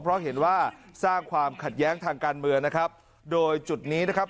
เพราะเห็นว่าสร้างความขัดแย้งทางการเมืองนะครับโดยจุดนี้นะครับ